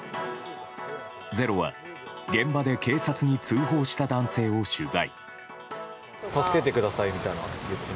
「ｚｅｒｏ」は現場で警察に通報した男性を取材。